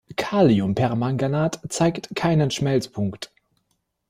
Kaliumpermanganat zeigt keinen Schmelzpunkt.